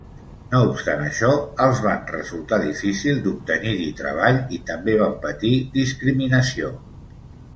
No obstant això, els van resultar difícil d'obtenir-hi treball i també van patir discriminació.